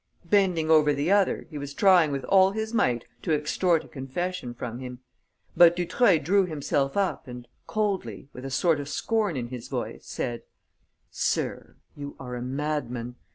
Bending over the other, he was trying with all his might to extort a confession from him. But Dutreuil drew himself up and coldly, with a sort of scorn in his voice, said: "Sir, you are a madman.